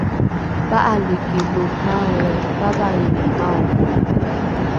pa’aliki lo maelre pavalrilo maongo